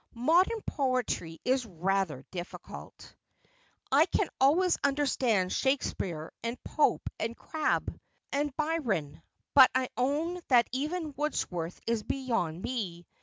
' Modern poetry is rather difficult. I can always understand Shakespeare, and Pope, and Crabbe, and Byron, but I own that even Wordsworth is beyond me.